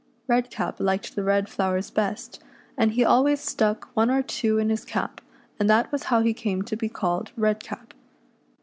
Redcap liked the red flowers best, and he always stuck one or two in his cap, and that was how he came to be called Redcap.